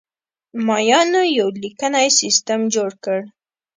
مایانو یو لیکنی سیستم جوړ کړ